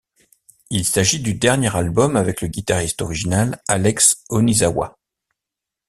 Il s'agit du dernier album avec le guitariste original Alex Onizawa.